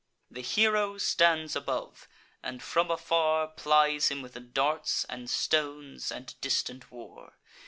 The hero stands above, and from afar Plies him with darts, and stones, and distant war.